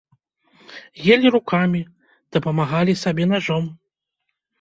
Елі рукамі, дапамагалі сабе нажом.